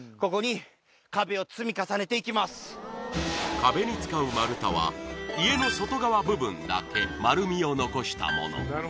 壁に使う丸太は家の外側部分だけ丸みを残したもの。